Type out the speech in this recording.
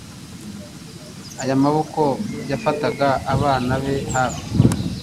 Aya maboko yafataga abana be hafi